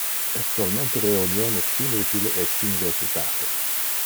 Es solmente reuniones inutile e sin resultato.